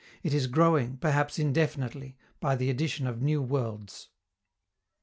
It is growing, perhaps indefinitely, by the addition of new worlds.